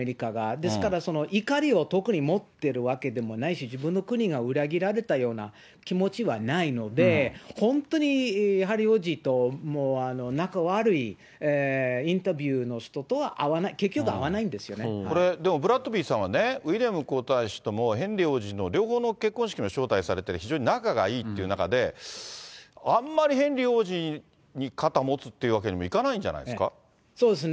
ですから、怒りを特に持ってるわけでもないし、自分の国が裏切られたような気持ちはないので、本当にハリー王子と仲悪いインタビューの人とは合わない、結局合これ、でもブラッドビーさんはね、ウィリアム皇太子ともヘンリー王子の両方の結婚式に招待されている、非常に仲がいいっていう中で、あんまりヘンリー王子に肩持つっていうわけにもいかないんじゃなそうですね。